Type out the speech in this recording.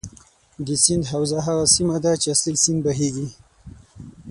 د سیند حوزه هغه سیمه ده چې اصلي سیند بهیږي.